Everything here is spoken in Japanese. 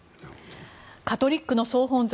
カトリックの総本山